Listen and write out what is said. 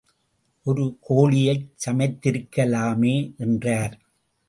ஒரு கோழியைச் சமைத்திருக்கலாமே! என்றார்.